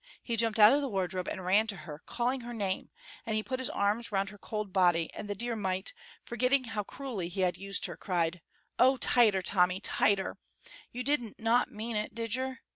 He jumped out of the wardrobe and ran to her, calling her name, and he put his arms round her cold body, and the dear mite, forgetting how cruelly he had used her, cried, "Oh, tighter, Tommy, tighter; you didn't not mean it, did yer?